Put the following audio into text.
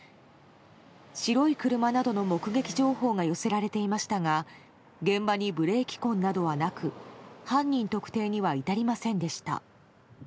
白い車などの目撃情報が寄せられていましたが現場にブレーキ痕などはなく犯人特定には至りませんでした。